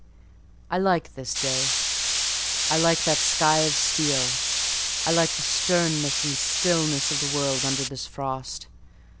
"I like this day; I like that sky of steel; I like the sternness and stillness of the world under this frost.